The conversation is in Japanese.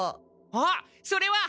あっそれは！